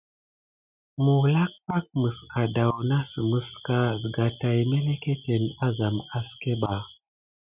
Məwlak pak mes addawnasəmeska, zəga taï mélékéténe azam aské mɓa.